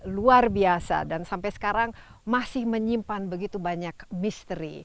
luar biasa dan sampai sekarang masih menyimpan begitu banyak misteri